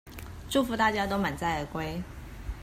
祝福大家都滿載而歸